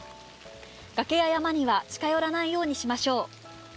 崖や山には近寄らないようにしましょう。